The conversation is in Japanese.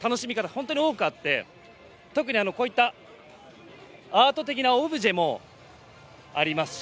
本当に多くあって、特にアート的なオブジェもありますし。